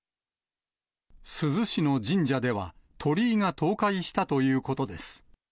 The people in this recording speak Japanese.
珠洲市の神社では、鳥居が倒壊したということです。